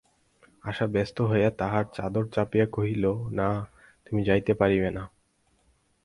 আশা ব্যস্ত হইয়া তাহার চাদর চাপিয়া কহিল, না, তুমি যাইতে পারিবে না।